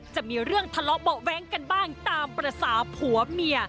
จะมีเรื่องทะเลาะเบาะแว้งกันบ้างตามภาษาผัวเมีย